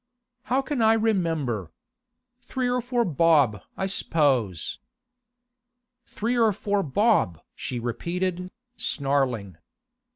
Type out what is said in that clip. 'How can I remember? Three or four bob, I s'pose.' 'Three or four bob!' she repeated, snarling.